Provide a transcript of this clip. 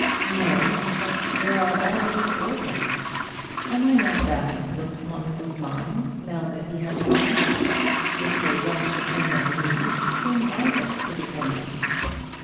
"No; but there are all those orphans. Am I not bound to look upon them as mine, now that he has gone? If they don't depend on me, whom are they to depend on?"